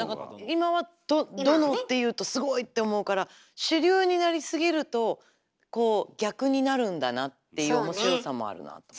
今は「殿」っていうとすごい！って思うから主流になりすぎるとこう逆になるんだなっていう面白さもあるなと。